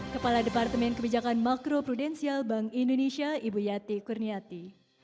kepala departemen kebijakan makro prudensial bank indonesia ibu yati kurniati